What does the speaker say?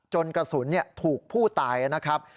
กระสุนถูกผู้ตายนะครับ